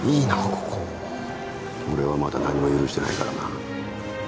ここ俺はまだ何も許してないからな